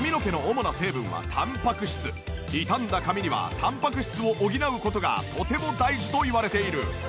傷んだ髪にはタンパク質を補う事がとても大事といわれている。